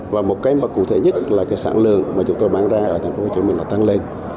và một cái cụ thể nhất là sản lượng mà chúng tôi bán ra ở thành phố hồ chí minh đã tăng lên